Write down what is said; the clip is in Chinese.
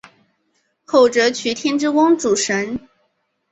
后者娶天之瓮主神。